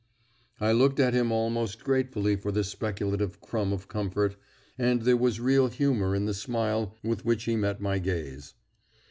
I looked at him almost gratefully for this speculative crumb of comfort, and there was real humour in the smile with which he met my gaze.